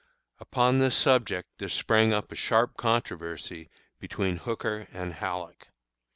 Upon this subject there sprang up a sharp controversy between Hooker and Halleck.